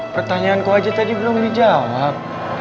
pertanyaanku aja tadi belum dijawab